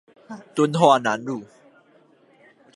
敦化南路